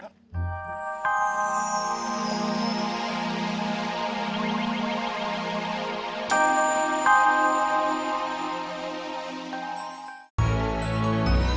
nih aki gua udah denger